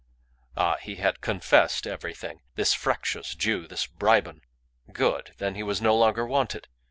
Ah! he had confessed everything, this fractious Jew, this bribon. Good! Then he was no longer wanted.